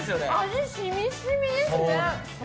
味、染み染みですね。